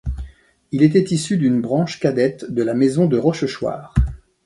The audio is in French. Il était issu d’une branche cadette de la Maison de Rochechouart.